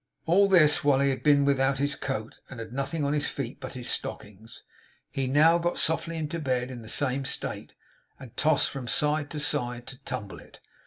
All this while he had been without his coat, and had nothing on his feet but his stockings. He now got softly into bed in the same state, and tossed from side to side to tumble it.